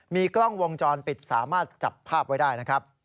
มีกล้องวงจรปิดสามารถจับภาพไว้ได้นะครับ